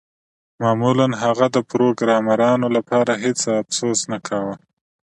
معمولاً هغه د پروګرامرانو لپاره هیڅ افسوس نه کاوه